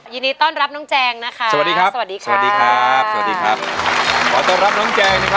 ยินดีต้อนรับน้องแจงนะคะ